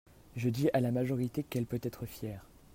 Je dis à la majorité qu’elle peut être fière.